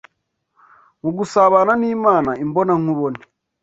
mu gusabana n’Imana imbona nkubone